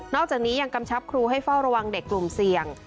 อกจากนี้ยังกำชับครูให้เฝ้าระวังเด็กกลุ่มเสี่ยง